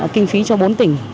kinh phí cho bốn tỉnh